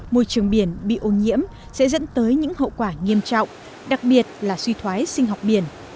môi trường biển bị ô nhiễm sẽ dẫn tới những hậu quả nghiêm trọng đặc biệt là suy thoái sinh học biển